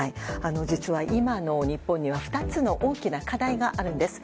実は今の日本には２つの大きな課題があるんです。